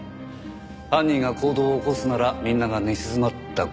犯人が行動を起こすならみんなが寝静まった頃。